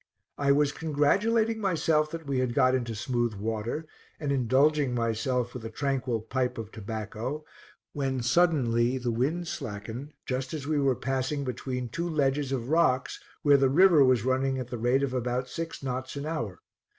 I was congratulating myself that we had got into smooth water, and indulging myself with a tranquil pipe of tobacco, when suddenly the wind slackened just as we were passing between two ledges of rocks where the river was running at the rate of about six knots an hour.